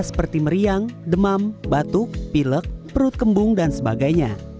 seperti meriang demam batuk pilek perut kembung dan sebagainya